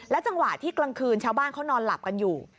จังหวะที่กลางคืนชาวบ้านเขานอนหลับกันอยู่